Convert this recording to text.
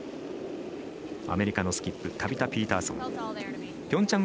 アメリカのスキップタビタ・ピーターソン。